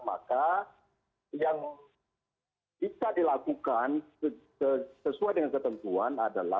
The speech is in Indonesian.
maka yang bisa dilakukan sesuai dengan ketentuan adalah